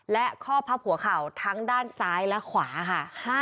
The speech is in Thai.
และข้อพับหัวเข่าทั้งด้านซ้ายและขวาค่ะ